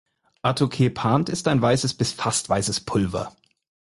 Atogepant ist ein weißes bis fast weißes Pulver.